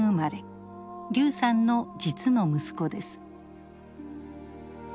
劉さんの実の息子です。